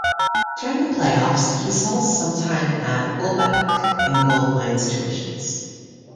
During the playoffs, he saw some time at fullback in goal line situations.